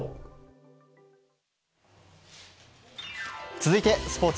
続いてスポーツ。